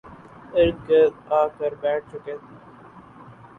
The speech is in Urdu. ارد گرد آ کر بیٹھ چکے تھی